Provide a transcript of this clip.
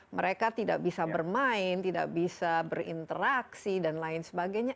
mereka tidak bisa bermain tidak bisa berinteraksi dan lain sebagainya